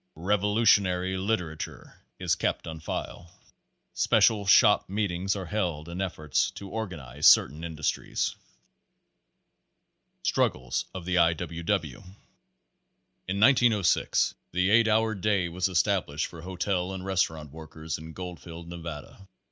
Revolutionary liter ature is kept on file. Page Nineteen Special shop meetings are held in efforts to organ ize certain industries. Struggles of the I. W. W. In 1906 the eight hour day was established for hotel and restaurant workers in Gbldfield, Nevada.